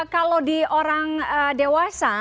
kalau di orang dewasa